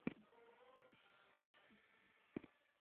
سمدلاسه پر کاروان الوتکې را پورته کړي.